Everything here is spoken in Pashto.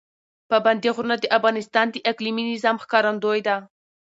پابندی غرونه د افغانستان د اقلیمي نظام ښکارندوی ده.